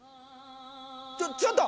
ちょちょっと！